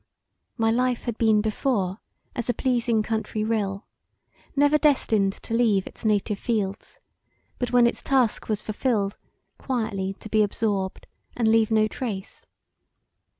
My life had been before as a pleasing country rill, never destined to leave its native fields, but when its task was fulfilled quietly to be absorbed, and leave no trace.